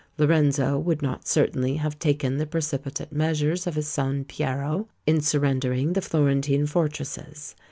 Lorenzo would not certainly have taken the precipitate measures of his son Piero, in surrendering the Florentine fortresses.